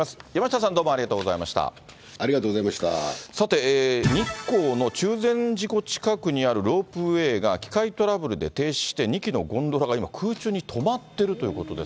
さて、日光の中禅寺湖近くにあるロープウェイが機械トラブルで停止して、２機のゴンドラが今、空中に止まっているということです。